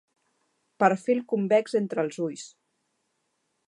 Perfil convex entre els ulls.